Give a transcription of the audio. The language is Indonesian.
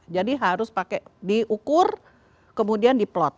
jadi harus diukur kemudian diplot